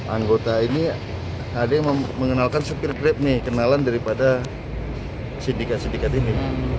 anggota ini ada yang mengenalkan supir grab nih kenalan daripada sindikat sindikat ini